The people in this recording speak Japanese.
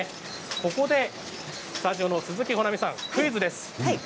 ここでスタジオの鈴木保奈美さん、クイズです。